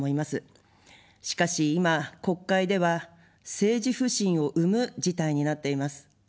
しかし今、国会では政治不信を生む事態になっています。